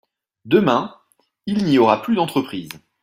Demain, il n’y aura plus d’entreprises